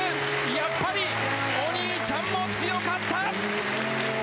やっぱりお兄ちゃんも強かった。